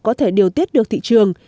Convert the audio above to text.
có thể điều tiết được thị trường